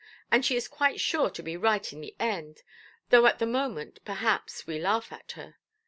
And she is quite sure to be right in the end, though at the moment, perhaps, we laugh at her.